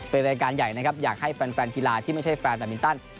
เป็นรายการใหญ่นะครับอยากให้แฟนกีฬาที่ไม่ใช่แฟนแบบมินตัน